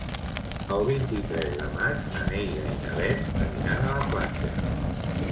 El vint-i-tres de maig na Neida i na Bet aniran a la platja.